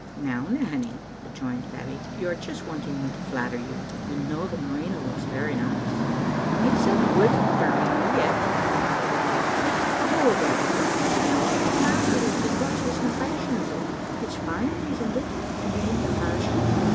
" Now, Nanny," rejoined Babbie, " you are just want ing me to flatter you. You know the merino looks very nice." "It's a guid merino yet," admitted the old woman, " but, oh, Babbie, what does the material matter if the cut isna fashionable? It's fine, isn't it, to be in the fashion?"